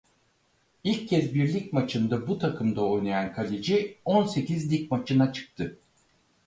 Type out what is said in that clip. İlk kez bir lig maçında bu takımda oynayan kaleci on sekiz lig maçına çıktı.